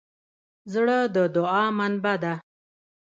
زړه د دوعا منبع ده.